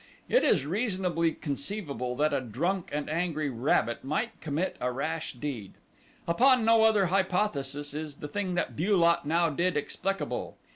It is reasonably conceivable that a drunk and angry rabbit might commit a rash deed. Upon no other hypothesis is the thing that Bu lot now did explicable.